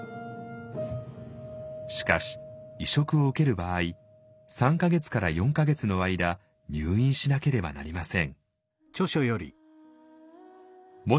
しかし移植を受ける場合３か月から４か月の間入院しなければなりません。